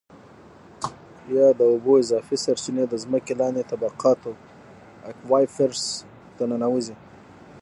یا د اوبو اضافي سرچېنې د ځمکې لاندې طبقاتو Aquifers ته ننوځي.